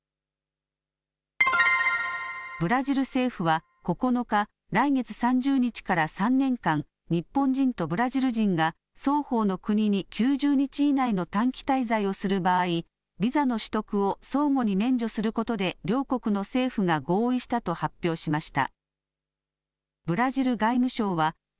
ブラジル政府は９日、来月３０日から３年間、日本人とブラジル人が双方の国に９０日以内の短期滞在をする場合、ビザの取得を相互に免除することで両国の政府が合意したと発表しました。